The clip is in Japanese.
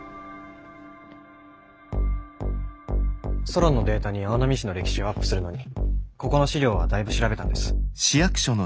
ソロンのデータに青波市の歴史をアップするのにここの資料は大部調べたんです。